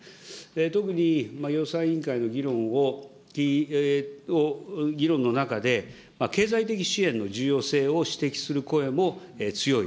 特に予算委員会の議論を、議論の中で、経済的支援の重要性を指摘する声も強い。